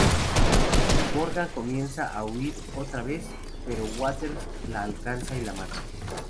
Morgan comienza a huir otra vez, pero Weathers la alcanza y la mata.